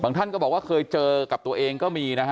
ท่านก็บอกว่าเคยเจอกับตัวเองก็มีนะฮะ